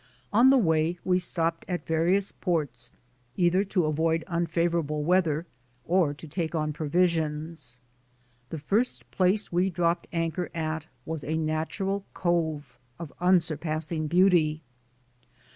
On the way we stopped at various ports either to avoid un favorable weather or to take on provisions. The first place we dropped anchor at was a natural cove of unsurpassing beauty.